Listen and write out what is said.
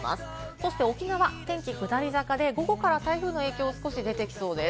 そして沖縄は天気、下り坂で午後から台風の影響が少し出てきそうです。